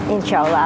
insya allah amin